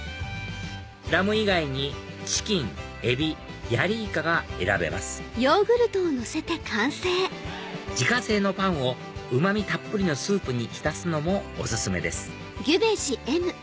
ラム以外にチキンエビヤリイカが選べます自家製のパンをうま味たっぷりのスープに浸すのもお勧めです